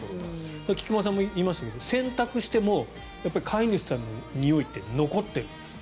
菊間さんも言いましたけど洗濯してもやっぱり飼い主さんのにおいって残ってるんですって。